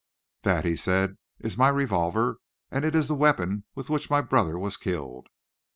"That," he said, "is my revolver, and it is the weapon with which my brother was killed."